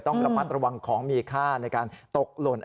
ต้องระมัดระวังของมีค่าในการตกหล่น